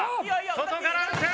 外から打つ！